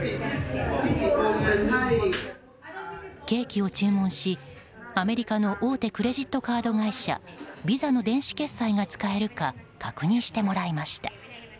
ケーキを注文しアメリカの大手クレジットカード会社ＶＩＳＡの電子決済が使えるか確認してもらいました。